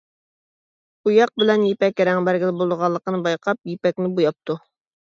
بوياق بىلەن يىپەككە رەڭ بەرگىلى بولىدىغانلىقىنى بايقاپ يىپەكنى بوياپتۇ.